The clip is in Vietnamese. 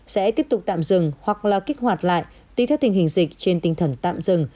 sẽ tiếp tục tạm dừng hoặc là kích hoạt lại tùy theo tình hình dịch trên tinh thần tạm dừng